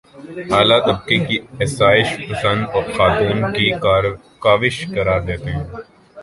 اعلیٰ طبقے کی آسائش پسند خاتون کی کاوش قرار دیتے ہیں